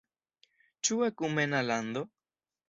Ĉu ekumena lando?